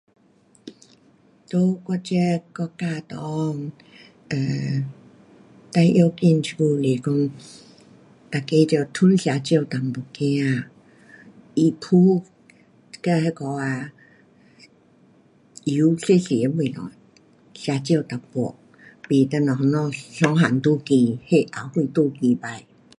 在我这国家里，um 最要紧这久是说大家要糖吃少一点，与炸跟那个啊油放较多的东西,吃少一点。不等下明天三样都高，血压什都高起。